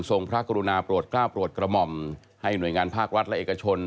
พระกรุณาโปรดกล้าโปรดกระหม่อมให้หน่วยงานภาครัฐและเอกชน